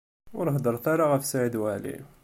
Ur heddṛet ara ɣef Saɛid Waɛli.